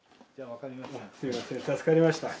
すいません助かりました。